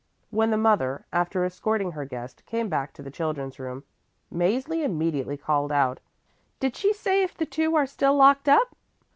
When the mother, after escorting her guest, came back to the children's room, Mäzli immediately called out, "Did she say if the two are still locked up?"